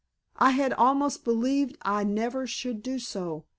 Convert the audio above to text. I had almost believed I never should do so.